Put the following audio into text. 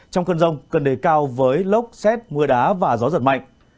trong cơn rông cơn đầy cao với lốc xét mưa đá và gió giật mạnh